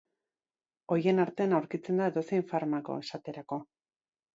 Horien artean aurkitzen da edozein farmako, esaterako.